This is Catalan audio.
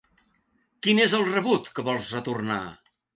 Quin és el rebut que vols retornar?